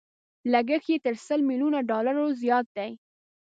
لګښت يې تر سل ميليونو ډالرو زيات دی.